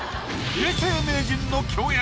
永世名人の共演。